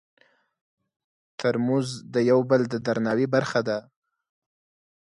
ترموز د یو بل د درناوي برخه ده.